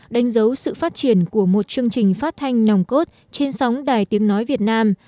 đánh dấu sự phát triển của một chương trình phát thanh nòng cốt trên sóng đài tiếng nói việt nam